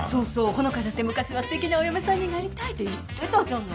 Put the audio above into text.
穂香だって昔はすてきなお嫁さんになりたいって言ってたじゃない。